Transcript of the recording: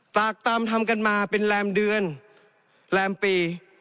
ตากตำทำกันมาเป็นแรมเดือนแรมปี